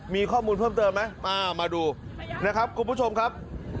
มีข้อมูลเพิ่มเติมไหมมาดูนะครับคุณผู้ชมครับ